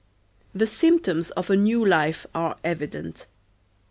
The symptoms of a new life are evident.